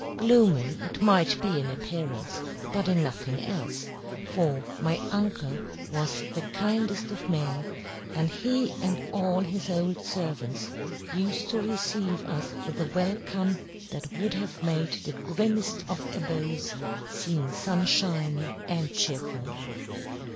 Gloomy it might be in appearance, but in nothing else, for my uncle was the kindest of men, and he and all his old servants used to receive us with a welcome that would have made the grimmest of abodes seem sunshiny and cheerful.